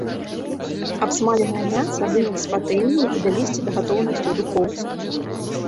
Абсмаленае мяса выняць з патэльні і давесці да гатоўнасці ў духоўцы.